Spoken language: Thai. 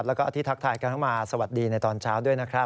แล้วก็ที่ทักทายกันเข้ามาสวัสดีในตอนเช้าด้วยนะครับ